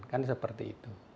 kan seperti itu